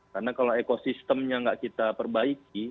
karena kalau ekosistemnya tidak kita perbaiki